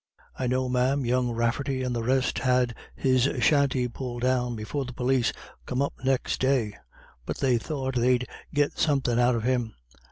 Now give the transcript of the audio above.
I know, ma'am, young Rafferty and the rest had his shanty pulled down before the pólis come up next day; but they thought they'd git somethin' out of him.